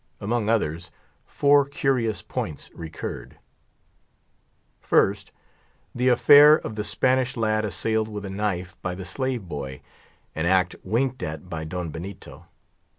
Among others, four curious points recurred: First, the affair of the Spanish lad assailed with a knife by the slave boy; an act winked at by Don Benito.